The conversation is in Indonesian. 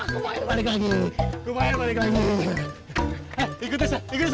kumain balik lagi